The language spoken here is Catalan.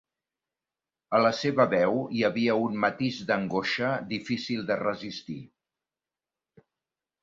A la seva veu hi havia un matís d'angoixa difícil de resistir.